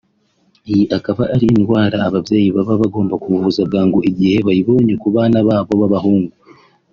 Iyi ikaba ari indwara ababyeyi baba bagomba kuvuza bwangu igihe bayibonye ku bana babo b’abahungu